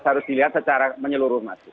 harus dilihat secara menyeluruh mas